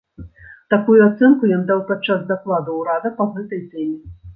Такую ацэнку ён даў падчас дакладу ўрада па гэтай тэме.